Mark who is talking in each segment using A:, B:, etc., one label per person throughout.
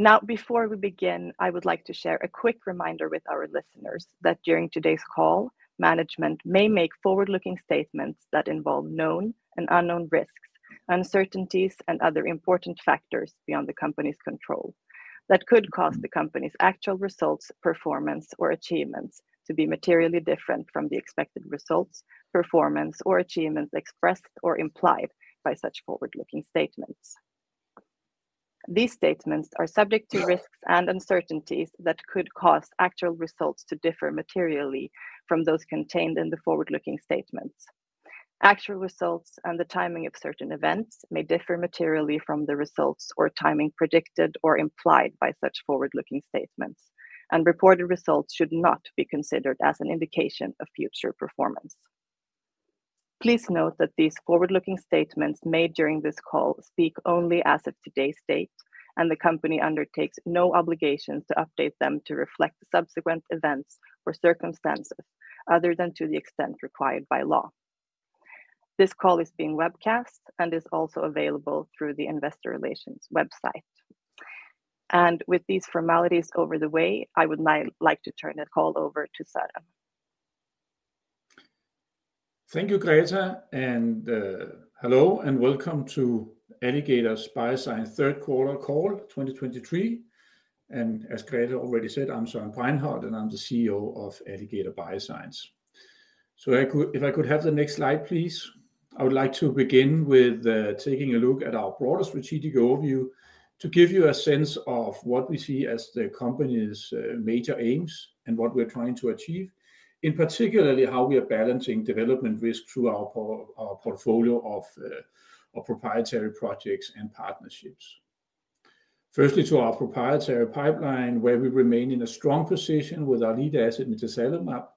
A: Now, before we begin, I would like to share a quick reminder with our listeners, that during today's call, management may make forward-looking statements that involve known and unknown risks, uncertainties, and other important factors beyond the company's control, that could cause the company's actual results, performance, or achievements to be materially different from the expected results, performance, or achievements expressed or implied by such forward-looking statements. These statements are subject to risks and uncertainties that could cause actual results to differ materially from those contained in the forward-looking statements. Actual results and the timing of certain events may differ materially from the results or timing predicted or implied by such forward-looking statements, and reported results should not be considered as an indication of future performance. Please note that these forward-looking statements made during this call speak only as of today's date, and the company undertakes no obligations to update them to reflect subsequent events or circumstances other than to the extent required by law. This call is being webcast and is also available through the investor relations website. With these formalities out of the way, I would like to turn the call over to Søren.
B: Thank you, Greta, and hello, and welcome to Alligator Bioscience Q3 call, 2023. As Greta already said, I'm Søren Bregenholt, and I'm the CEO of Alligator Bioscience. If I could have the next slide, please. I would like to begin with taking a look at our broader strategic overview to give you a sense of what we see as the company's major aims and what we're trying to achieve. In particular, how we are balancing development risk through our portfolio of proprietary projects and partnerships. First, to our proprietary pipeline, where we remain in a strong position with our lead asset, Mitazalimab.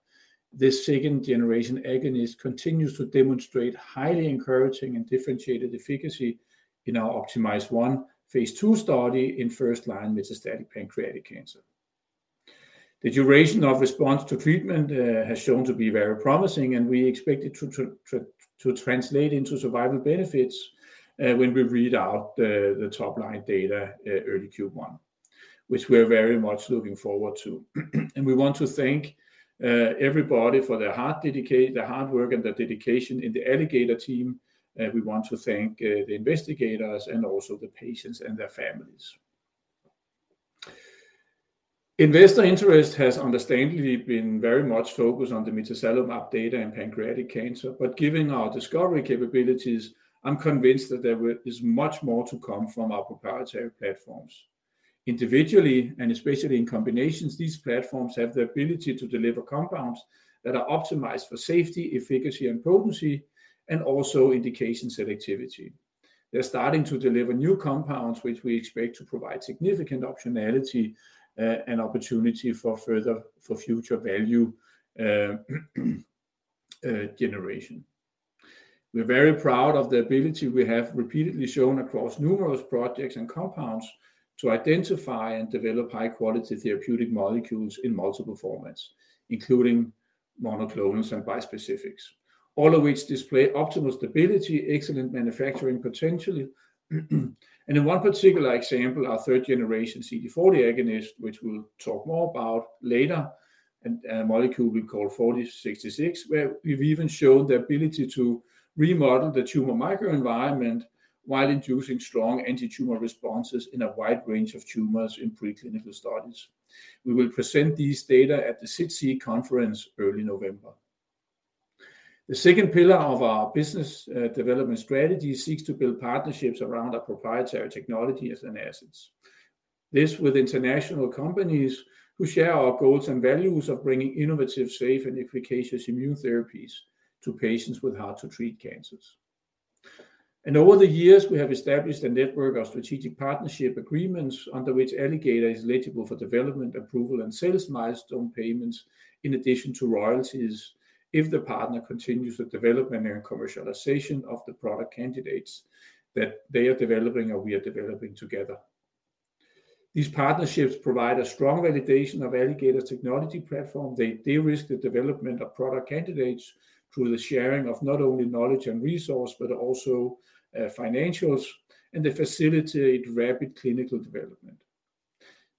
B: This second-generation agonist continues to demonstrate highly encouraging and differentiated efficacy in our OPTIMIZE-1 phase 2 study in first-line metastatic pancreatic cancer. The duration of response to treatment has shown to be very promising, and we expect it to translate into survival benefits when we read out the top line data early Q1, which we are very much looking forward to. We want to thank everybody for their hard work and their dedication in the Alligator team. We want to thank the investigators and also the patients and their families. Investor interest has understandably been very much focused on the Mitazalimab data in pancreatic cancer, but given our discovery capabilities, I'm convinced that there is much more to come from our proprietary platforms. Individually and especially in combinations, these platforms have the ability to deliver compounds that are optimized for safety, efficacy, and potency, and also indication selectivity. They're starting to deliver new compounds, which we expect to provide significant optionality and opportunity for future value generation. We're very proud of the ability we have repeatedly shown across numerous projects and compounds to identify and develop high quality therapeutic molecules in multiple formats, including monoclonals and bispecifics, all of which display optimal stability, excellent manufacturing potentially. In one particular example, our third generation CD40 agonist, which we'll talk more about later, and a molecule we call ATOR-4066, where we've even shown the ability to remodel the tumor microenvironment while inducing strong antitumor responses in a wide range of tumors in preclinical studies. We will present these data at the SITC conference, early November. The second pillar of our business development strategy seeks to build partnerships around our proprietary technologies and assets. This, with international companies who share our goals and values of bringing innovative, safe and efficacious immune therapies to patients with hard to treat cancers. Over the years, we have established a network of strategic partnership agreements under which Alligator is eligible for development, approval, and sales milestone payments, in addition to royalties, if the partner continues the development and commercialization of the product candidates that they are developing or we are developing together. These partnerships provide a strong validation of Alligator's technology platform. They de-risk the development of product candidates through the sharing of not only knowledge and resource, but also, financials, and they facilitate rapid clinical development.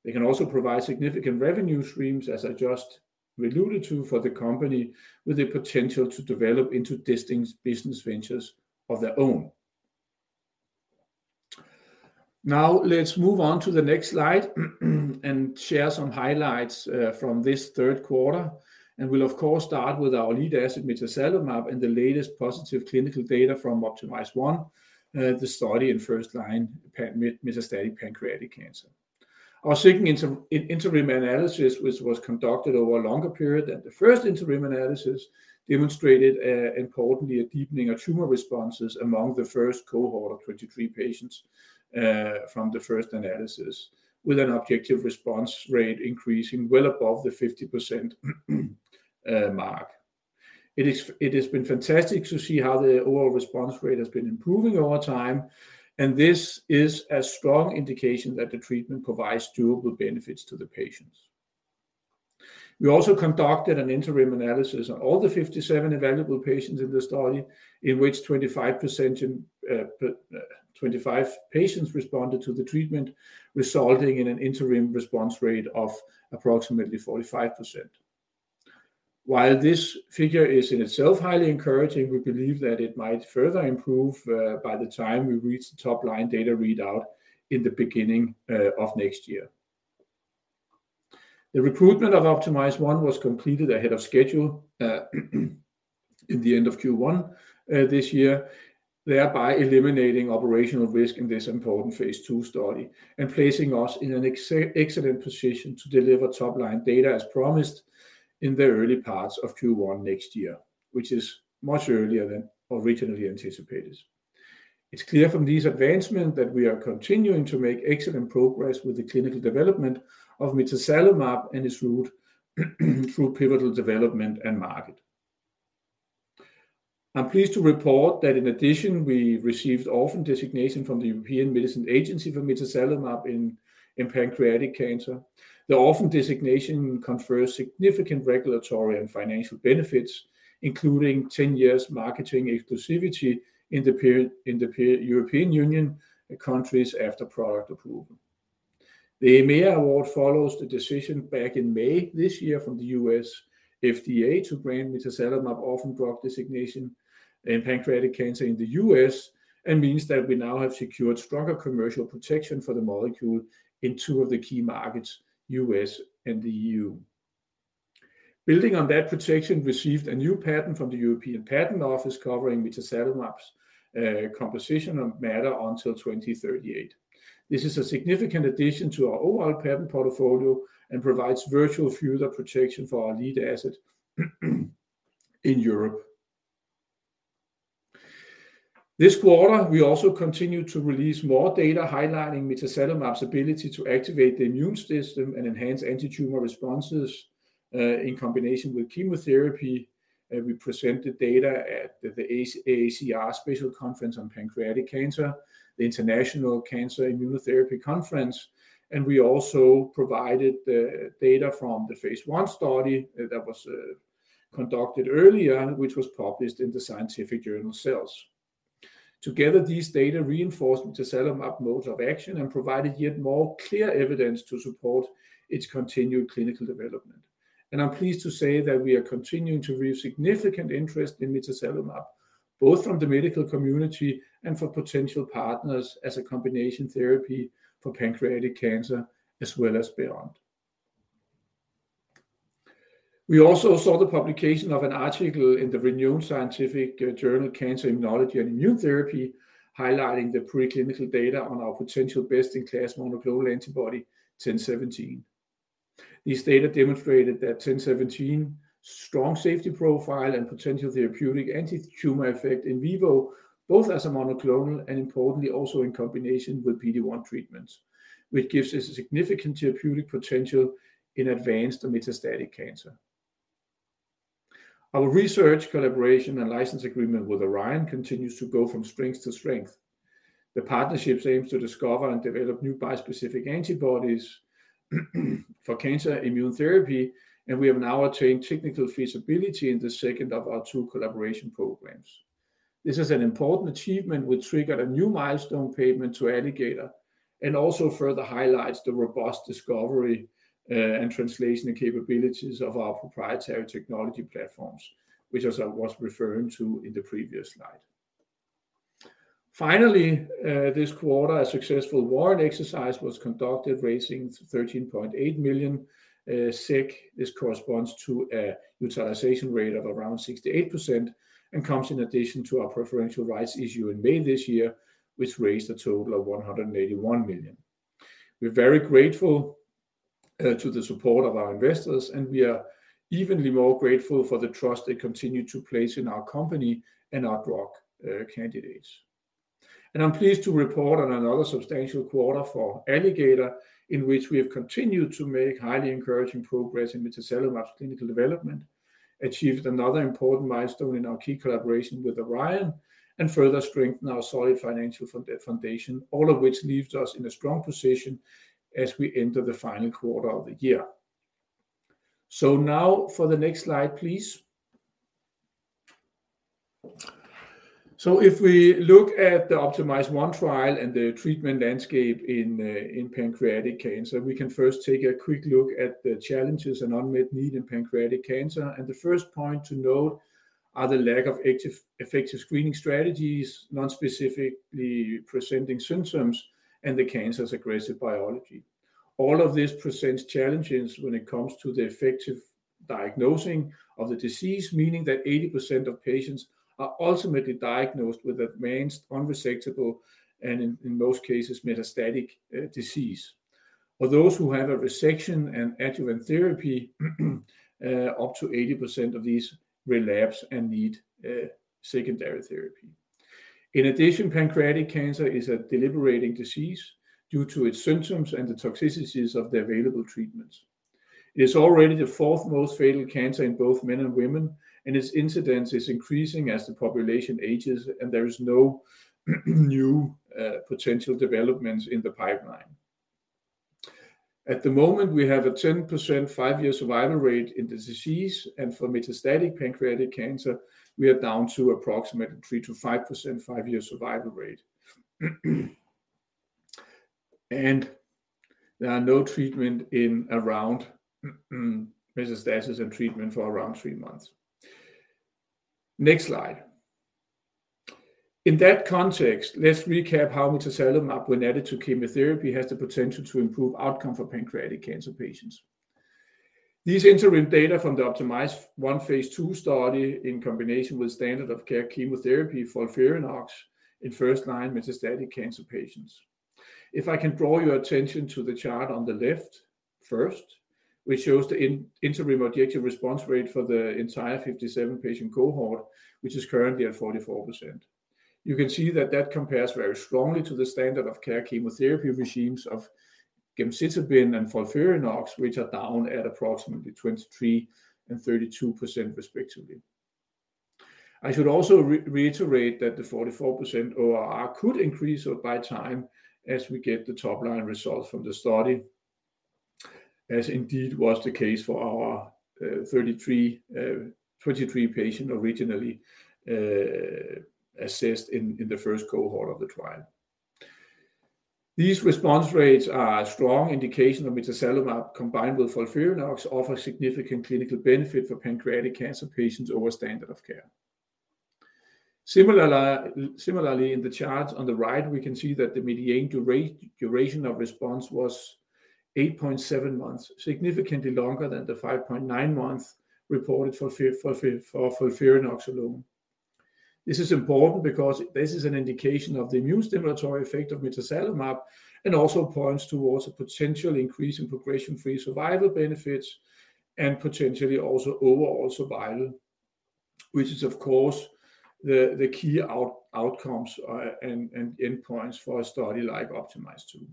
B: They can also provide significant revenue streams, as I just alluded to, for the company with the potential to develop into distinct business ventures of their own. Now, let's move on to the next slide and share some highlights from this Q3. We'll of course start with our lead asset, Mitazalimab, and the latest positive clinical data from OPTIMIZE-1, the study in first-line metastatic pancreatic cancer. Our second interim analysis, which was conducted over a longer period than the first interim analysis, demonstrated importantly a deepening of tumor responses among the first cohort of 23 patients from the first analysis, with an objective response rate increasing well above the 50% mark. It has been fantastic to see how the overall response rate has been improving over time, and this is a strong indication that the treatment provides durable benefits to the patients. We also conducted an interim analysis on all the 57 evaluable patients in the study, in which 25%, and 25 patients responded to the treatment, resulting in an interim response rate of approximately 45%. While this figure is, in itself, highly encouraging, we believe that it might further improve by the time we reach the top-line data readout in the beginning of next year. The recruitment of OPTIMIZE-1 was completed ahead of schedule, in the end of Q1 this year, thereby eliminating operational risk in this important phase II study, and placing us in an excellent position to deliver top-line data as promised in the early parts of Q1 next year, which is much earlier than originally anticipated. It's clear from these advancements that we are continuing to make excellent progress with the clinical development of Mitazalimab and its route, through pivotal development and market. I'm pleased to report that in addition, we received orphan designation from the European Medicines Agency for Mitazalimab in pancreatic cancer. The orphan designation confers significant regulatory and financial benefits, including 10 years marketing exclusivity in the period, in the European Union countries after product approval. The EMEA award follows the decision back in May this year from the U.S. FDA to grant Mitazalimab orphan drug designation in pancreatic cancer in the US, and means that we now have secured stronger commercial protection for the molecule in two of the key markets, US and the EU. Building on that protection, received a new patent from the European Patent Office, covering Mitazalimab's composition of matter until 2038. This is a significant addition to our overall patent portfolio and provides valuable future protection for our lead asset in Europe. This quarter, we also continued to release more data highlighting Mitazalimab's ability to activate the immune system and enhance antitumor responses in combination with chemotherapy. We presented data at the AACR Special Conference on Pancreatic Cancer, the International Cancer Immunotherapy Conference, and we also provided the data from the phase I study that was conducted earlier, which was published in the scientific journal Cells. Together, these data reinforced Mitazalimab's mode of action and provided yet more clear evidence to support its continued clinical development. I'm pleased to say that we are continuing to raise significant interest in Mitazalimab, both from the medical community and for potential partners as a combination therapy for pancreatic cancer, as well as beyond. We also saw the publication of an article in the renowned scientific journal, Cancer Immunology, Immunotherapy, highlighting the preclinical data on our potential best-in-class monoclonal antibody, ATOR-1017. These data demonstrated that ATOR-1017's strong safety profile and potential therapeutic antitumor effect in vivo, both as a monoclonal and importantly, also in combination with PD-1 treatments, which gives us a significant therapeutic potential in advanced metastatic cancer. Our research collaboration and license agreement with Orion continues to go from strength to strength. The partnership aims to discover and develop new bispecific antibodies for cancer immunotherapy, and we have now attained technical feasibility in the second of our two collaboration programs. This is an important achievement, which triggered a new milestone payment to Alligator, and also further highlights the robust discovery, and translation capabilities of our proprietary technology platforms, which as I was referring to in the previous slide. Finally, this quarter, a successful warrant exercise was conducted, raising 13.8 million. This corresponds to a utilization rate of around 68% and comes in addition to our preferential rights issue in May this year, which raised a total of 181 million. We're very grateful to the support of our investors, and we are even more grateful for the trust they continue to place in our company and our drug candidates. I'm pleased to report on another substantial quarter for Alligator, in which we have continued to make highly encouraging progress in Mitazalimab's clinical development, achieved another important milestone in our key collaboration with Orion, and further strengthened our solid financial foundation. All of which leaves us in a strong position as we enter the final quarter of the year. So now for the next slide, please. So if we look at the OPTIMIZE-1 trial and the treatment landscape in pancreatic cancer, we can first take a quick look at the challenges and unmet need in pancreatic cancer. The first point to note are the lack of active effective screening strategies, nonspecific presenting symptoms, and the cancer's aggressive biology. All of this presents challenges when it comes to the effective diagnosing of the disease, meaning that 80% of patients are ultimately diagnosed with advanced, unresectable, and, in most cases, metastatic disease. For those who have a resection and adjuvant therapy, up to 80% of these relapse and need secondary therapy. In addition, pancreatic cancer is a debilitating disease due to its symptoms and the toxicities of the available treatments. It is already the fourth most fatal cancer in both men and women, and its incidence is increasing as the population ages, and there is no new potential developments in the pipeline. At the moment, we have a 10% five-year survival rate in the disease, and for metastatic pancreatic cancer, we are down to approximately 3%-5% five-year survival rate. There are no treatments in advanced metastatic and treatment for around three months. Next slide. In that context, let's recap how Mitazalimab, when added to chemotherapy, has the potential to improve outcome for pancreatic cancer patients. These interim data from the OPTIMIZE-1 phase 2 study in combination with standard of care chemotherapy FOLFIRINOX in first-line metastatic cancer patients. If I can draw your attention to the chart on the left first, which shows the interim objective response rate for the entire 57 patient cohort, which is currently at 44%. You can see that that compares very strongly to the standard of care chemotherapy regimens of gemcitabine and FOLFIRINOX, which are down at approximately 23% and 32% respectively. I should also reiterate that the 44% ORR could increase over time as we get the top-line results from the study, as indeed was the case for our 33, 23 patient originally assessed in the first cohort of the trial. These response rates are a strong indication of Mitazalimab, combined with FOLFIRINOX, offer significant clinical benefit for pancreatic cancer patients over standard of care. Similarly, in the chart on the right, we can see that the median duration of response was 8.7 months, significantly longer than the 5.9 months reported for FOLFIRINOX alone. This is important because this is an indication of the immune stimulatory effect of Mitazalimab, and also points towards a potential increase in progression-free survival benefits and potentially also overall survival, which is, of course, the key outcomes, and endpoints for a study like OPTIMIZE-2.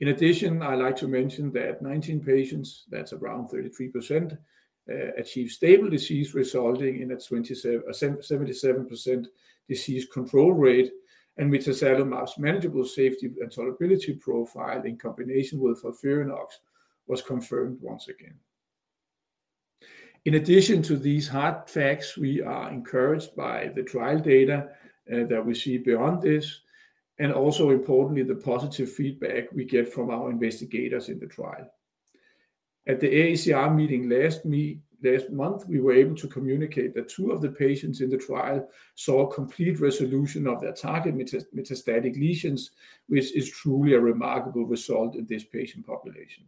B: In addition, I like to mention that 19 patients, that's around 33%, achieved stable disease, resulting in a 77% disease control rate, and Mitazalimab manageable safety and tolerability profile in combination with FOLFIRINOX was confirmed once again. In addition to these hard facts, we are encouraged by the trial data, that we see beyond this, and also importantly, the positive feedback we get from our investigators in the trial. At the ACR meeting last month, we were able to communicate that two of the patients in the trial saw a complete resolution of their target metastatic lesions, which is truly a remarkable result in this patient population.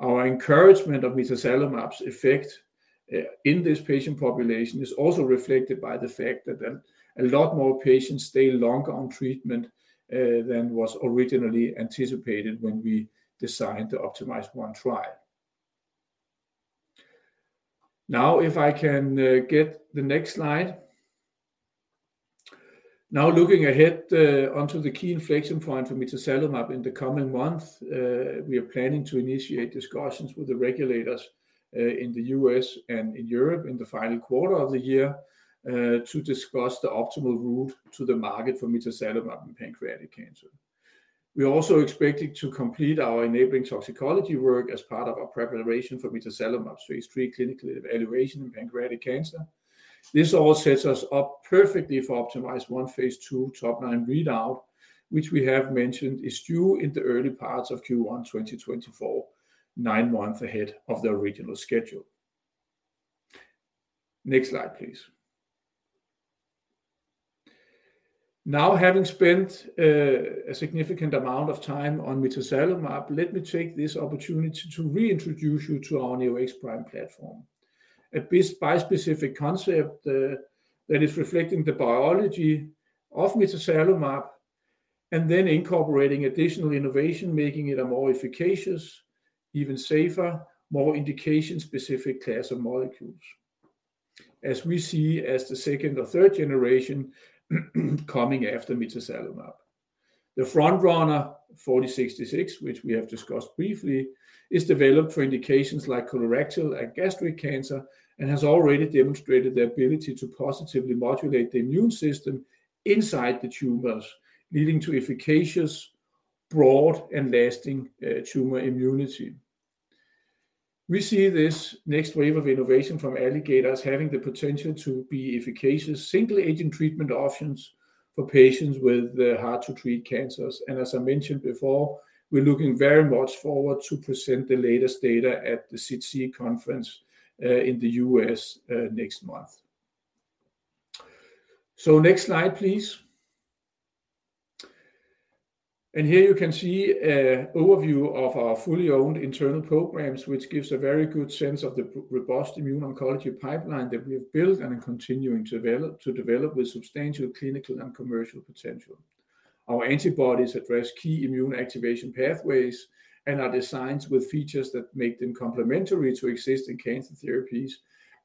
B: Our encouragement of Mitazalimab's effect in this patient population is also reflected by the fact that a lot more patients stay longer on treatment than was originally anticipated when we designed the OPTIMIZE-1 trial. Now, if I can get the next slide. Now, looking ahead onto the key inflection point for Mitazalimab in the coming months, we are planning to initiate discussions with the regulators in the U.S. and in Europe in the final quarter of the year to discuss the optimal route to the market for Mitazalimab in pancreatic cancer. We are also expecting to complete our enabling toxicology work as part of our preparation for Mitazalimab phase 3 clinical evaluation in pancreatic cancer. This all sets us up perfectly for OPTIMIZE-1 phase 2 top-line readout, which we have mentioned is due in the early parts of Q1 2024, 9 months ahead of the original schedule. Next slide, please. Now, having spent a significant amount of time on Mitazalimab, let me take this opportunity to reintroduce you to our Neo-X-Prime platform. At this bispecific concept that is reflecting the biology of Mitazalimab and then incorporating additional innovation, making it a more efficacious, even safer, more indication-specific class of molecules. As we see as the second or third generation coming after Mitazalimab. The front runner, 4066, which we have discussed briefly, is developed for indications like colorectal and gastric cancer, and has already demonstrated the ability to positively modulate the immune system inside the tumors, leading to efficacious, broad, and lasting tumor immunity. We see this next wave of innovation from Alligator as having the potential to be efficacious, single-agent treatment options for patients with hard-to-treat cancers. As I mentioned before, we're looking very much forward to present the latest data at the Citi Conference in the US next month. So next slide, please. Here you can see an overview of our fully owned internal programs, which gives a very good sense of the robust immuno-oncology pipeline that we have built and are continuing to develop with substantial clinical and commercial potential. Our antibodies address key immune activation pathways and are designed with features that make them complementary to existing cancer therapies,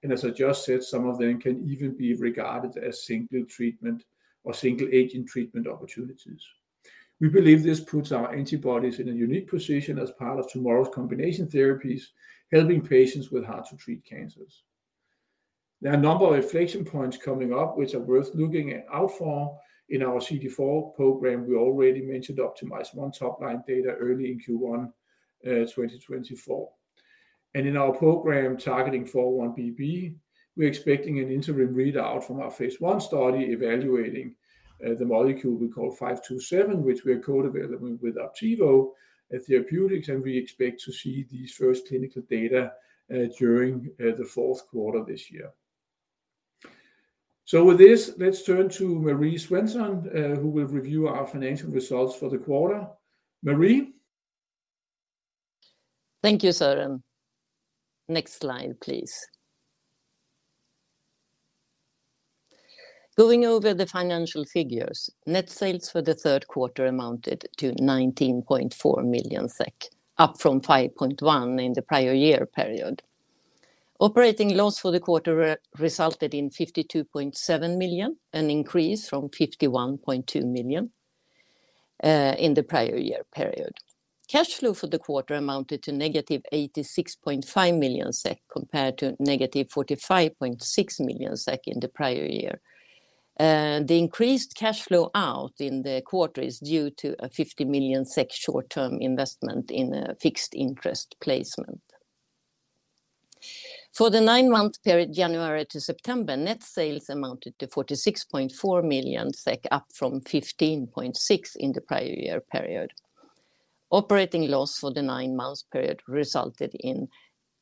B: and as I just said, some of them can even be regarded as single treatment or single-agent treatment opportunities. We believe this puts our antibodies in a unique position as part of tomorrow's combination therapies, helping patients with hard-to-treat cancers. There are a number of inflection points coming up, which are worth looking out for. In our CD40 program, we already mentioned OPTIMIZE-1 top line data early in Q1 2024. In our program targeting 4-1BB, we're expecting an interim readout from our phase 1 study, evaluating the molecule we call 527, which we are co-developing with Aptevo Therapeutics, and we expect to see these first clinical data during the Q4 this year. So with this, let's turn to Marie Svensson, who will review our financial results for the quarter. Marie?
C: Thank you, Søren. Next slide, please. Going over the financial figures, net sales for the Q3 amounted to 19.4 million SEK, up from 5.1 million in the prior year period. Operating loss for the quarter re-resulted in 52.7 million, an increase from 51.2 million in the prior year period. Cash flow for the quarter amounted to negative 86.5 million SEK, compared to negative 45.6 million SEK in the prior year. The increased cash flow out in the quarter is due to a 50 million SEK short-term investment in a fixed interest placement. For the nine-month period, January to September, net sales amounted to 46.4 million SEK, up from 15.6 million in the prior year period. Operating loss for the nine-month period resulted in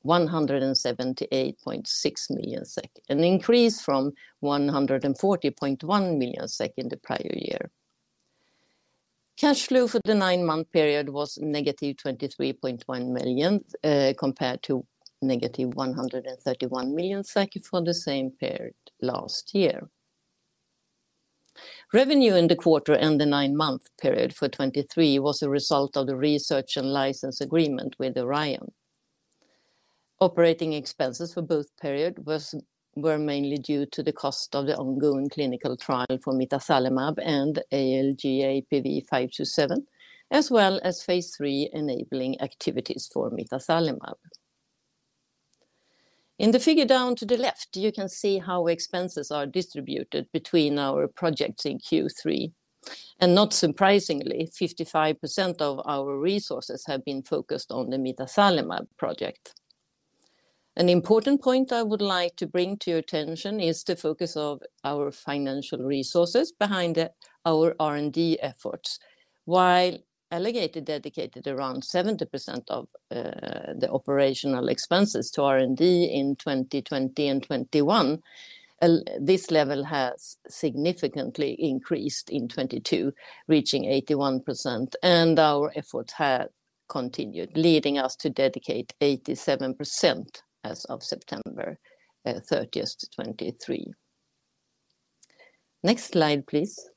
C: 178.6 million SEK, an increase from 140.1 million SEK in the prior year. Cash flow for the nine-month period was negative 23.1 million compared to negative 131 million for the same period last year. Revenue in the quarter and the nine-month period for 2023 was a result of the research and license agreement with Orion. Operating expenses for both periods were mainly due to the cost of the ongoing clinical trial for Mitazalimab and ALG.APV-527, as well as phase 3 enabling activities for Mitazalimab. In the figure down to the left, you can see how expenses are distributed between our projects in Q3. Not surprisingly, 55% of our resources have been focused on the Mitazalimab project. An important point I would like to bring to your attention is the focus of our financial resources behind our R&D efforts. While Alligator dedicated around 70% of the operational expenses to R&D in 2020 and 2021, this level has significantly increased in 2022, reaching 81%, and our efforts have continued, leading us to dedicate 87% as of September 30, 2023. Next slide, please.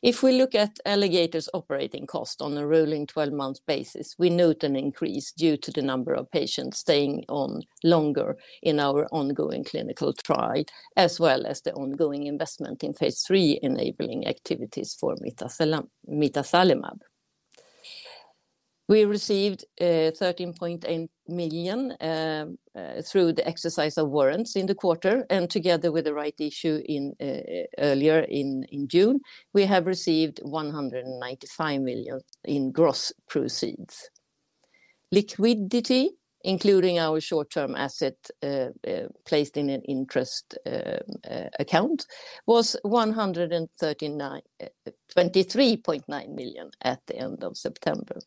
C: If we look at Alligator's operating cost on a rolling twelve-month basis, we note an increase due to the number of patients staying on longer in our ongoing clinical trial, as well as the ongoing investment in phase 3 enabling activities for Mitazalimab. We received 13.8 million through the exercise of warrants in the quarter, and together with the rights issue in earlier in June, we have received 195 million in gross proceeds. Liquidity, including our short-term asset placed in an interest account, was 123.9 million at the end of September.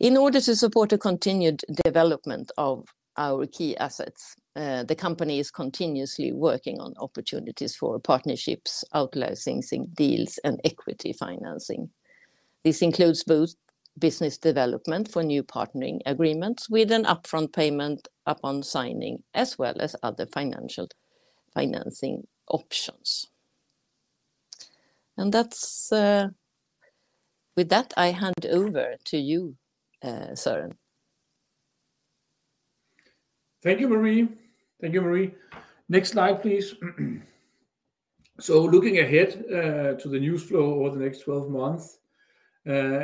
C: In order to support a continued development of our key assets, the company is continuously working on opportunities for partnerships, out-licensing deals, and equity financing. This includes both business development for new partnering agreements with an upfront payment upon signing, as well as other financial financing options. And that's... With that, I hand over to you, Søren.
B: Thank you, Marie. Thank you, Marie. Next slide, please. So looking ahead to the news flow over the next 12 months,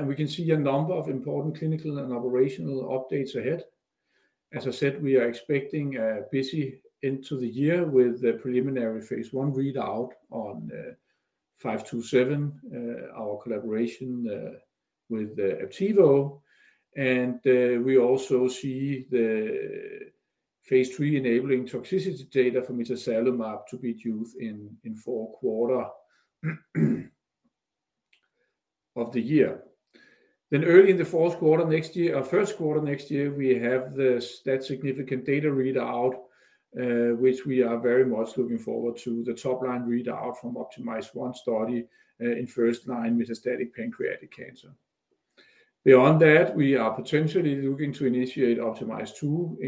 B: we can see a number of important clinical and operational updates ahead. As I said, we are expecting a busy into the year with the preliminary phase 1 readout on ALG.APV-527, our collaboration with Aptevo. And we also see the phase 3 enabling toxicity data for Mitazalimab to be used in Q4 of the year. Then early in the Q4 next year, or Q1 next year, we have the statistically significant data readout, which we are very much looking forward to the top-line readout from OPTIMIZE-1 study in first-line metastatic pancreatic cancer. Beyond that, we are potentially looking to initiate OPTIMIZE-2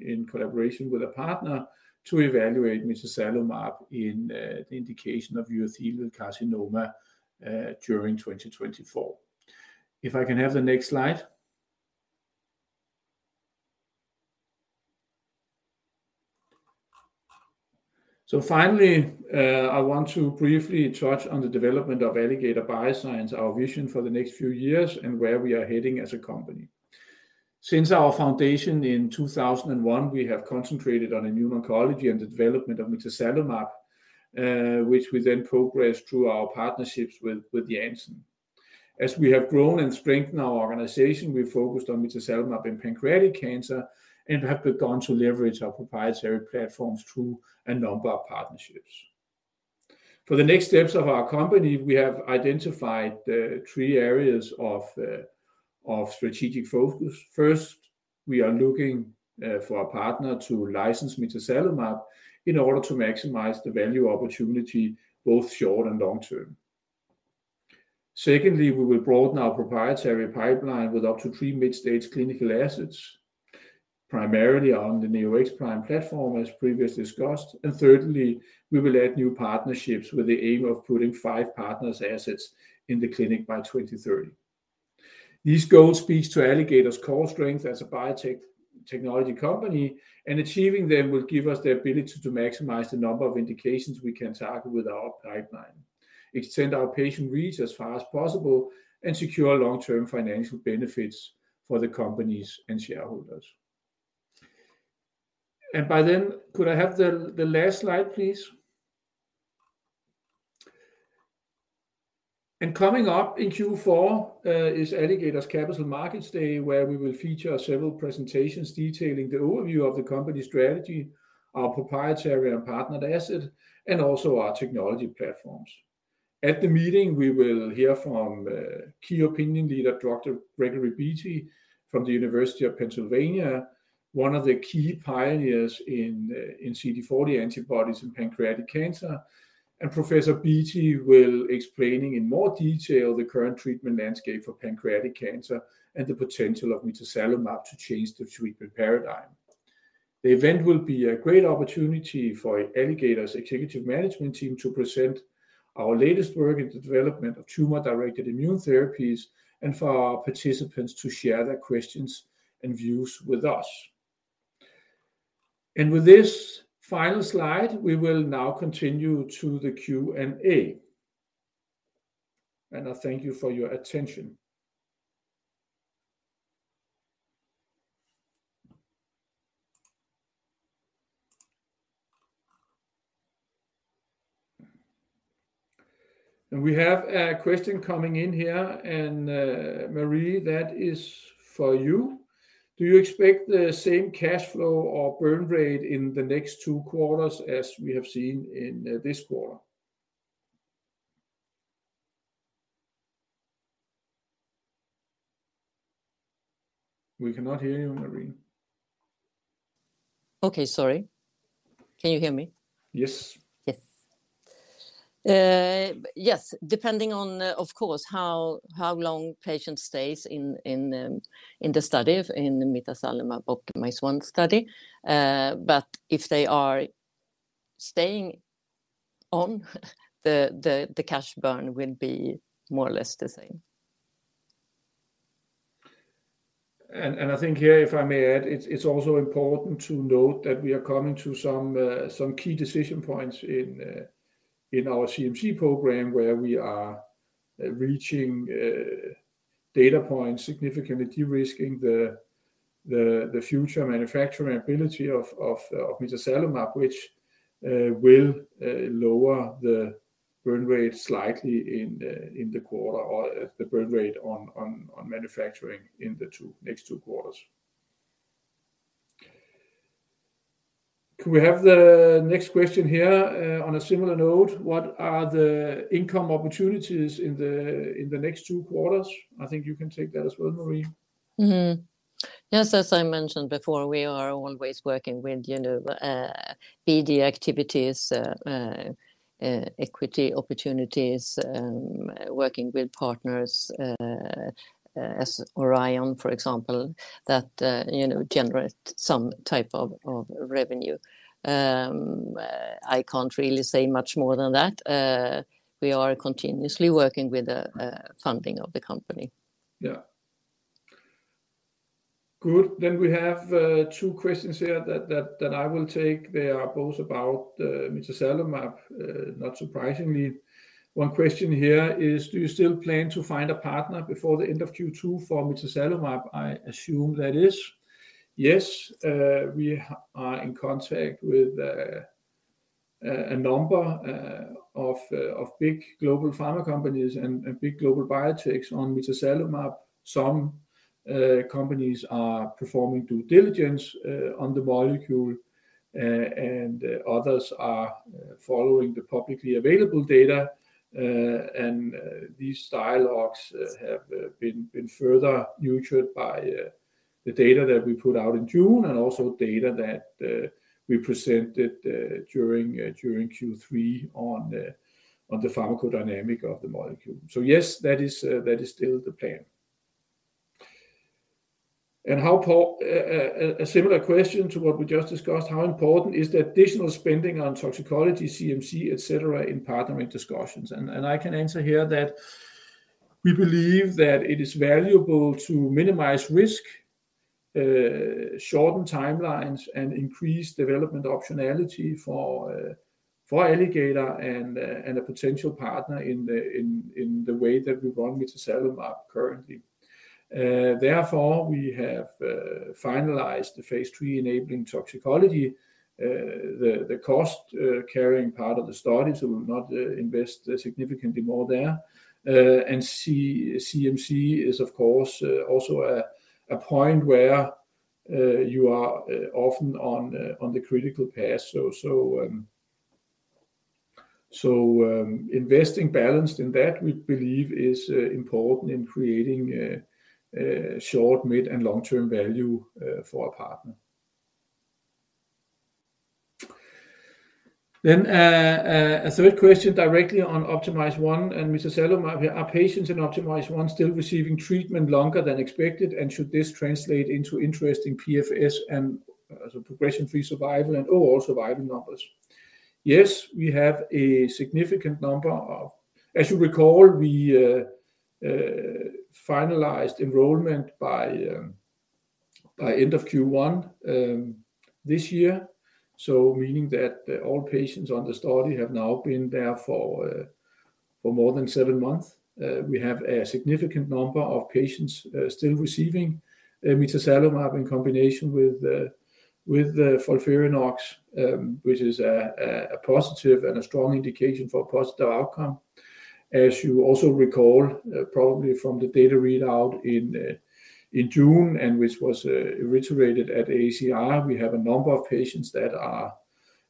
B: in collaboration with a partner to evaluate Mitazalimab in the indication of urothelial carcinoma during 2024. If I can have the next slide. So finally, I want to briefly touch on the development of Alligator Bioscience, our vision for the next few years, and where we are heading as a company. Since our foundation in 2001, we have concentrated on immuno-oncology and the development of Mitazalimab, which we then progressed through our partnerships with Amgen. As we have grown and strengthened our organization, we focused on Mitazalimab in pancreatic cancer and have begun to leverage our proprietary platforms through a number of partnerships. For the next steps of our company, we have identified three areas of strategic focus. First, we are looking for a partner to license Mitazalimab in order to maximize the value opportunity, both short and long term. Secondly, we will broaden our proprietary pipeline with up to three mid-stage clinical assets, primarily on the Neo-X-Prime platform, as previously discussed. And thirdly, we will add new partnerships with the aim of putting five partners assets in the clinic by 2030. These goals speaks to Alligator's core strength as a biotech technology company, and achieving them will give us the ability to maximize the number of indications we can target with our pipeline, extend our patient reach as far as possible, and secure long-term financial benefits for the companies and shareholders. And by then, could I have the last slide, please? Coming up in Q4 is Alligator's Capital Markets Day, where we will feature several presentations detailing the overview of the company's strategy, our proprietary and partnered assets, and also our technology platforms. At the meeting, we will hear from key opinion leader Dr. Gregory Beatty from the University of Pennsylvania, one of the key pioneers in CD40 antibodies in pancreatic cancer. Professor Beatty will explain in more detail the current treatment landscape for pancreatic cancer and the potential of Mitazalimab to change the treatment paradigm. The event will be a great opportunity for Alligator's executive management team to present our latest work in the development of tumor-directed immune therapies, and for our participants to share their questions and views with us. With this final slide, we will now continue to the Q&A. I thank you for your attention. And we have a question coming in here, and, Marie, that is for you. Do you expect the same cash flow or burn rate in the next two quarters as we have seen in this quarter? We cannot hear you, Marie.
C: Okay, sorry. Can you hear me?
B: Yes.
C: Yes. Yes, depending on, of course, how long patient stays in the study, in Mitazalimab and OPTIMIZE-1 study. But if they are staying on, the cash burn will be more or less the same.
B: I think here, if I may add, it's also important to note that we are coming to some key decision points in our CMC program, where we are reaching data points, significantly de-risking the future manufacturing ability of Mitazalimab, which will lower the burn rate slightly in the quarter or the burn rate on manufacturing in the next two quarters. Can we have the next question here? On a similar note, what are the income opportunities in the next two quarters? I think you can take that as well, Marie.
C: Mm-hmm. Yes, as I mentioned before, we are always working with, you know, BD activities, equity opportunities, working with partners, as Orion, for example, that you know, generate some type of revenue. I can't really say much more than that. We are continuously working with the funding of the company.
B: Yeah. Good. Then we have 2 questions here that I will take. They are both about Mitazalimab, not surprisingly. One question here is: do you still plan to find a partner before the end of Q2 for Mitazalimab? I assume that is yes. We are in contact with a number of big global pharma companies and big global biotechs on Mitazalimab. Some companies are performing due diligence on the molecule, and others are following the publicly available data. And these dialogues have been further nurtured by the data that we put out in June and also data that we presented during Q3 on the pharmacodynamics of the molecule. So yes, that is still the plan. And how a similar question to what we just discussed, how important is the additional spending on toxicology, CMC, etc., in partnering discussions? And I can answer here that we believe that it is valuable to minimize risk, shortened timelines and increased development optionality for Alligator and a potential partner in the way that we run Mitazalimab currently. Therefore, we have finalized the phase 3 enabling toxicology, the cost carrying part of the study, so we will not invest significantly more there. And CMC is, of course, also a point where you are often on the critical path. Investing balanced in that we believe is important in creating a short, mid-, and long-term value for our partner. Then, a third question directly on OPTIMIZE-1 and Mitazalimab: Are patients in OPTIMIZE-1 still receiving treatment longer than expected, and should this translate into interesting PFS and progression-free survival and overall survival numbers? Yes, we have a significant number of patients—as you recall, we finalized enrollment by end of Q1 this year. So meaning that all patients on the study have now been there for more than seven months. We have a significant number of patients still receiving Mitazalimab in combination with the FOLFIRINOX, which is a positive and a strong indication for a positive outcome. As you also recall, probably from the data readout in June, and which was reiterated at ACR, we have a number of patients that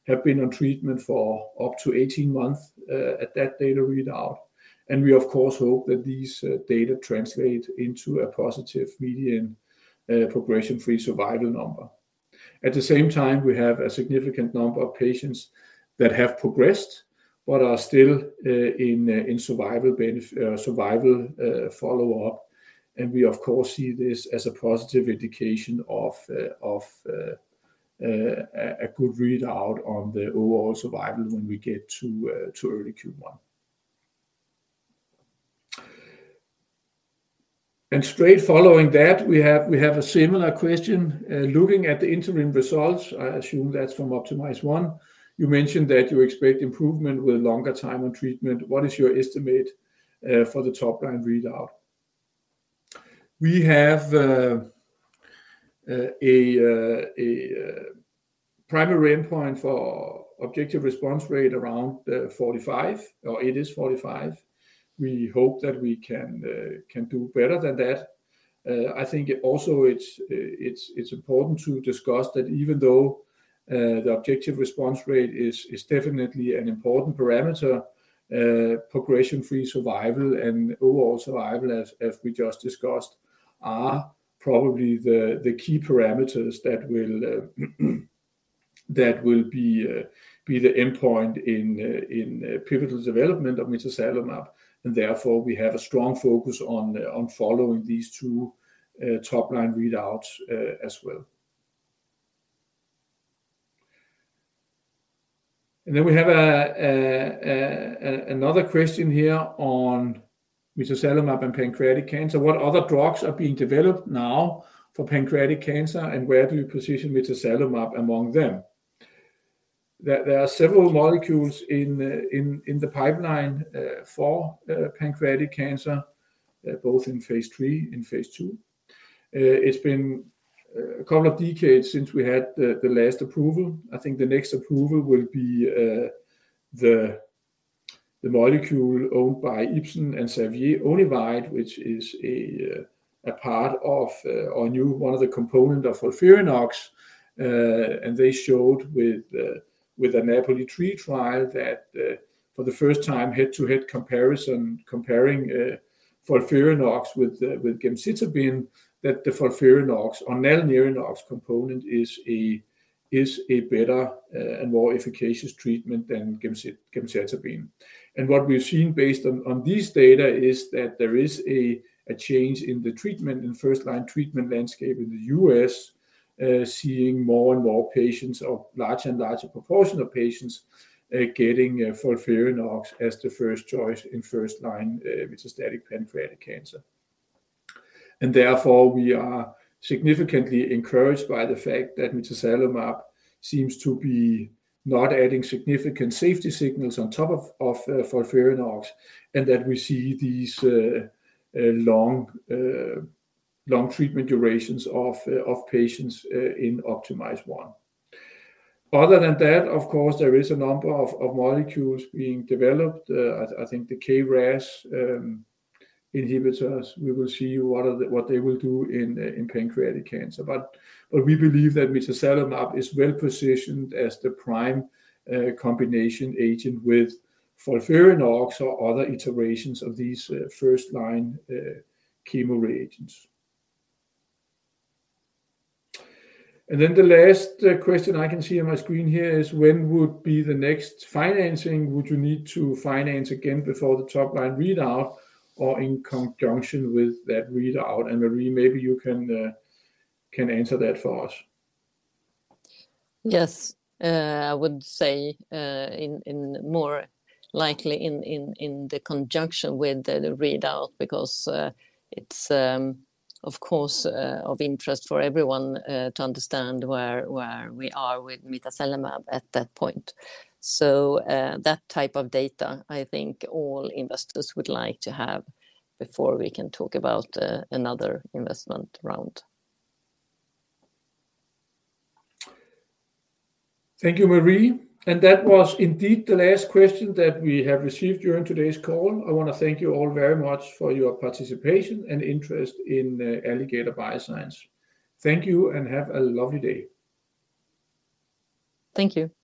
B: have been on treatment for up to 18 months at that data readout. And we, of course, hope that these data translate into a positive median progression-free survival number. At the same time, we have a significant number of patients that have progressed but are still in survival follow-up, and we of course see this as a positive indication of a good readout on the overall survival when we get to early Q1. And straight following that, we have a similar question. Looking at the interim results, I assume that's from OPTIMIZE-1, you mentioned that you expect improvement with longer time on treatment. What is your estimate for the top-line readout? We have a primary endpoint for objective response rate around 45, or it is 45. We hope that we can do better than that. I think also it's important to discuss that even though the objective response rate is definitely an important parameter, progression-free survival and overall survival, as we just discussed, are probably the key parameters that will be the endpoint in pivotal development of Mitazalimab, and therefore, we have a strong focus on following these two top-line readouts as well. And then we have another question here on Mitazalimab and pancreatic cancer. What other drugs are being developed now for pancreatic cancer, and where do you position Mitazalimab among them? There are several molecules in the pipeline for pancreatic cancer, both in phase three and phase two. It's been a couple of decades since we had the last approval. I think the next approval will be the molecule owned by Ipsen and Servier, ONIVYDE, which is a part of, or new, one of the component of FOLFIRINOX. And they showed with a NAPOLI-3 trial that, for the first time, head-to-head comparison, comparing FOLFIRINOX with gemcitabine, that the FOLFIRINOX or NALIRIFOX component is a better and more efficacious treatment than gemcitabine. And what we've seen based on these data is that there is a change in the treatment, in first-line treatment landscape in the U.S., seeing more and more patients or larger and larger proportion of patients getting FOLFIRINOX as the first choice in first-line metastatic pancreatic cancer. And therefore, we are significantly encouraged by the fact that Mitazalimab seems to be not adding significant safety signals on top of FOLFIRINOX, and that we see these long treatment durations of patients in OPTIMIZE-1. Other than that, of course, there is a number of molecules being developed. I think the KRAS inhibitors, we will see what they will do in, in pancreatic cancer. But we believe that Mitazalimab is well-positioned as the prime, combination agent with FOLFIRINOX or other iterations of these, first-line, chemo reagents. And then the last question I can see on my screen here is: When would be the next financing? Would you need to finance again before the top-line readout or in conjunction with that readout? And Marie, maybe you can answer that for us.
C: Yes. I would say in conjunction with the readout, because it's of course of interest for everyone to understand where we are with Mitazalimab at that point. So, that type of data, I think all investors would like to have before we can talk about another investment round.
B: Thank you, Marie. That was indeed the last question that we have received during today's call. I wanna thank you all very much for your participation and interest in Alligator Bioscience. Thank you, and have a lovely day.
C: Thank you.